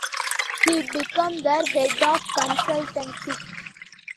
He became their Head of Consultancy.